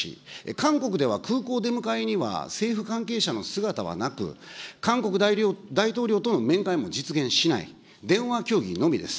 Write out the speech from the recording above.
韓国では空港出迎えには政府関係者の姿はなく、韓国大統領との面会も実現しない、電話協議のみです。